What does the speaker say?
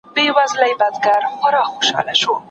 ایا تاسو د صفوي پاچاهانو نومونه پیژنئ؟